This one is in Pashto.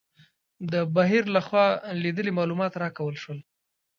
د بهیر لخوا لیدلي معلومات راکول شول.